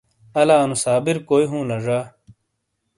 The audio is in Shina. الا انو صابر کوئی ہوں لا ڙا؟